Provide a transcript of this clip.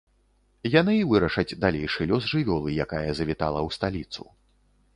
Яны і вырашаць далейшы лёс жывёлы, якая завітала ў сталіцу.